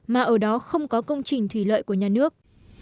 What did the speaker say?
mà ở đó không có công trình thủy lợi của nhà nước